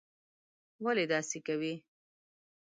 ولي داسې کوې?